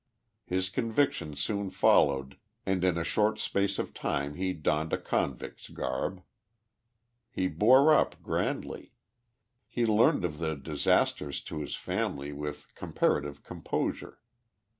His conviction soon followed and in a short space of time he donned a convict's garb. He bore up grandly. He learned of the disasters to his family with com parative composure.